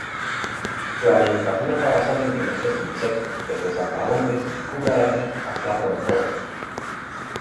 Su alimentación está basada en diversos insectos, desde saltamontes y cucarachas, hasta roedores.